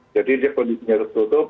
jadi dia kondisinya tertutup